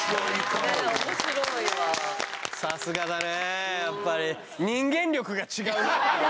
さすがだね